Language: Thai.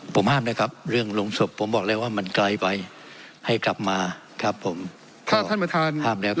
ผมห้ามนะครับเรื่องโรงศพผมบอกเลยว่ามันไกลไปให้กลับมาครับผมถ้าท่านประธานห้ามแล้วครับ